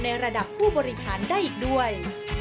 ระดับผู้บริหารได้อีกด้วย